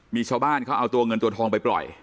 มีชาวบ้านเขาเอาตัวเงินตัวทองไปปล่อย